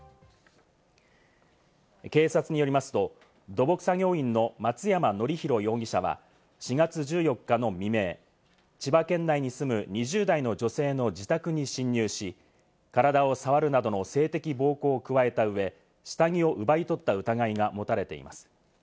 警察によりますと、土木作業員の松山典広容疑者は４月１４日の未明、千葉県内に住む２０代の女性の自宅に侵入し、体を触るなどの性的暴行を加えたうえ、下着を奪い取った疑いが持たれています。